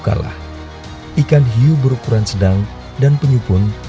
tamau kalah ikan hiu berukuran sedang dan penyupun